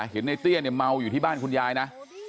เห็นในเตี้ยเนี่ยเมาอยู่ที่บ้านคุณยายนะ